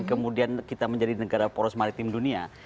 kemudian kita menjadi negara poros maritim dunia